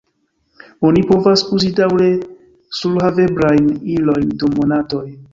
Oni povas uzi daŭre surhaveblajn ilojn dum monatoj.